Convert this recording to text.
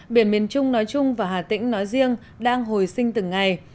biển miền trung nói chung và hà tĩnh nói riêng đang hồi sinh từng ngày